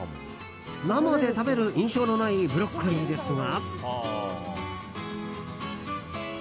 生で食べる印象のないブロッコリーですが。